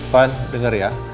van denger ya